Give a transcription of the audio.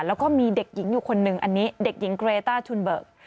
แล้วก็มีเด็กหญิงอยู่คนหนึ่งอันนี้เด็กหญิงเกรต้าชุนเบิก